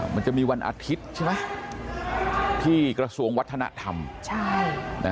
มันจะมีวันอาทิตย์ใช่ไหมที่กระทรวงวัฒนธรรม